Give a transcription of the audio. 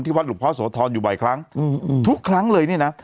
วัดหลวงพ่อโสธรอยู่บ่อยครั้งอืมทุกครั้งเลยเนี่ยนะ